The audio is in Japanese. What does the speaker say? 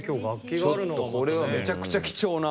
ちょっとこれはめちゃくちゃ貴重な。